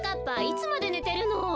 いつまでねてるの！